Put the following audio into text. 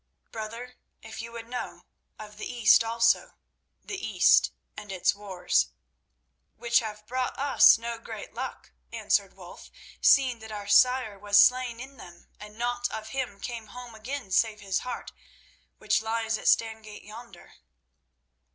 "Brother, if you would know, of the East also—the East and its wars." "Which have brought us no great luck," answered Wulf, "seeing that our sire was slain in them and naught of him came home again save his heart, which lies at Stangate yonder."